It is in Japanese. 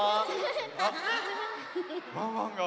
あっワンワンが。